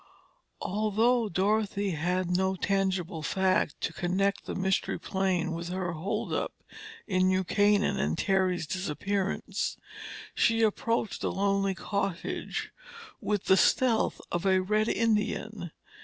Although Dorothy had no tangible fact to connect the Mystery Plane with her holdup in New Canaan and Terry's disappearance, she approached the lonely cottage with the stealth of a red Indian.